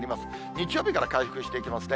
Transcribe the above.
日曜日から回復していきますね。